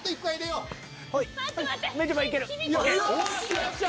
よっしゃ。